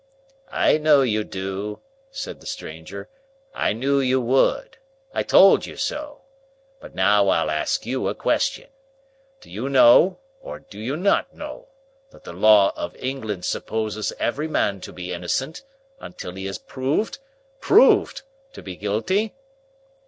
"I know you do," said the stranger; "I knew you would. I told you so. But now I'll ask you a question. Do you know, or do you not know, that the law of England supposes every man to be innocent, until he is proved—proved—to be guilty?"